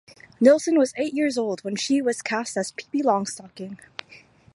Nilsson was eight years old when she was cast as Pippi Longstocking.